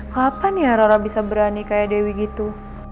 kapan ya rora bisa berani kayak dewi gitu